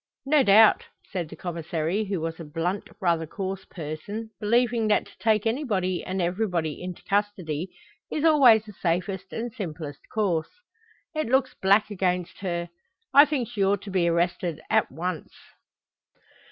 "No doubt," said the Commissary, who was a blunt, rather coarse person, believing that to take anybody and everybody into custody is always the safest and simplest course. "It looks black against her. I think she ought to be arrested at once."